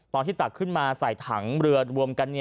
ตักขึ้นมาใส่ถังเรือรวมกัน